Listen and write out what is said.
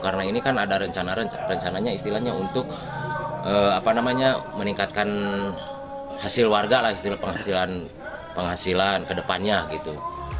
karena ini kan ada rencana rencana istilahnya untuk meningkatkan hasil warga lah hasil penghasilan ke depannya gitu